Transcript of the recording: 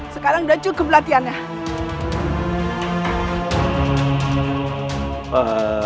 sekarang sudah cukup pelatihannya